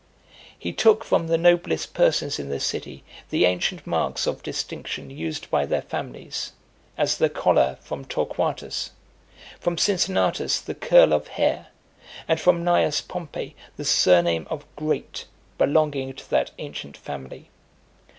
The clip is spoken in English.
XXXV. He took from the noblest persons in the city the ancient marks of distinction used by their families; as the collar from Torquatus ; from Cincinnatus the curl of (276) hair ; and from Cneius Pompey, the surname of Great, belonging to that ancient family.